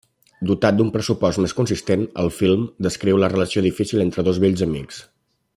Dotat d'un pressupost més consistent, el film descriu la relació difícil entre dos vells amics.